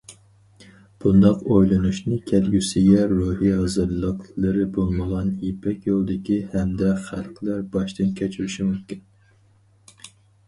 بۇنداق ئويلىنىشنى كەلگۈسىگە روھىي ھازىرلىقلىرى بولمىغان يىپەك يولىدىكى ھەمدە خەلقلەر باشتىن كەچۈرۈشى مۇمكىن.